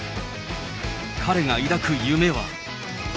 彼が抱く夢は。